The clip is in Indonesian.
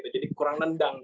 jadi kurang nendang